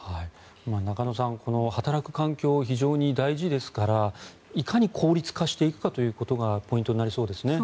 中野さん、この働く環境非常に大事ですからいかに効率化していくかということがポイントになりそうですね。